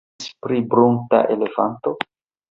Vi pensis pri bunta elefanto!